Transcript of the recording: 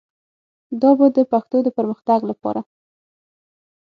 دا به د پښتو د پرمختګ لپاره